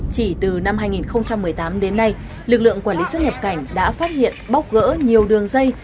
chỉ từ năm hai nghìn một mươi tám đến nay lực lượng quản lý xuất nhập cảnh đã phát hiện bóc gỡ nhiều đường dây